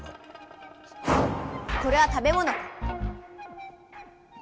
これは食べものか。